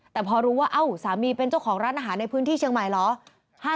แต่พอรู้ว่าเอ้าสามีเป็นเจ้าของร้านอาหารในพื้นที่เชียงใหม่เหรอ